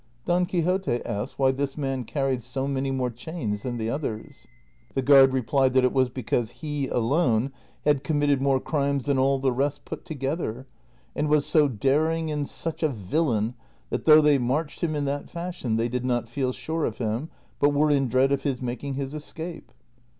Don Quixote asked why this man carried so many more chains than the others. The guard replied that it was because he alone had committed more crimes than all the rest put together, and was so daring and such a villain, that though they marched him in that fashion they did not feel sure of him, but were in dread of his making his escape.